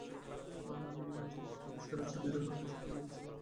এর মানে এই নয় যে উত্তর কোরিয়ার স্বৈরাচারী রেকর্ডকে স্বীকৃতি দিয়েছে।